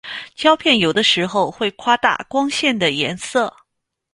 胶片有的时候会夸大光线的颜色。